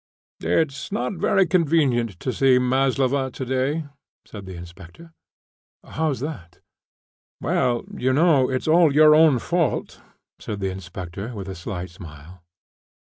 "It's not very convenient to see Maslova to day," said the inspector. "How's that?" "Well, you know, it's all your own fault," said the inspector, with a slight smile.